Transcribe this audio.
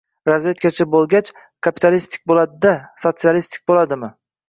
— Razvedkachi bo‘lgach, kapitalistik bo‘ladi-da! Sotsialistik bo‘ladimi?